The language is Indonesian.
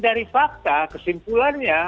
dari fakta kesimpulannya